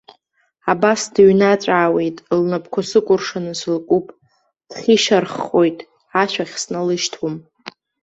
Абас дыҩныҵәаауеит, лнапқәа сыкәыршаны сылкуп, дхьышьарххоит, ашә ахь сналышьҭуам.